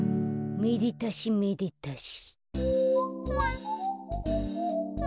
めでたしめでたし。